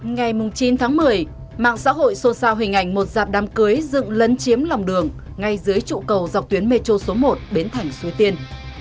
ngày chín tháng một mươi mạng xã hội xôn xao hình ảnh một dạp đám cưới dựng lấn chiếm lòng đường ngay dưới trụ cầu dọc tuyến metro số một biến thành suối tiên